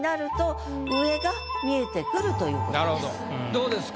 どうですか？